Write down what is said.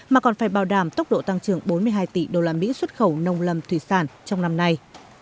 mà còn phải bảo đảm tốc độ tăng trưởng bốn mươi hai tỷ usd xuất khẩu nông lâm thủy sản trong năm nay